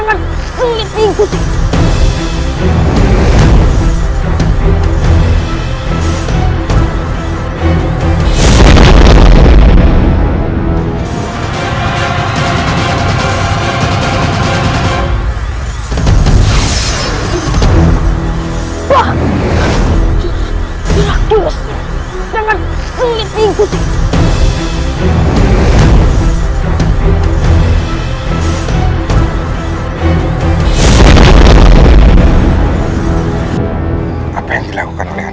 aku tidak bisa